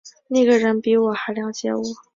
那个人比我还瞭解我